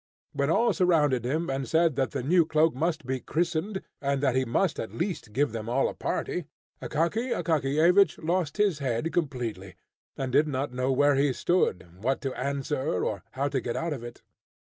When all surrounded him, and said that the new cloak must be "christened," and that he must at least give them all a party, Akaky Akakiyevich lost his head completely, and did not know where he stood, what to answer, or how to get out of it.